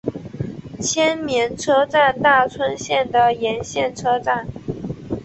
千绵车站大村线的沿线车站。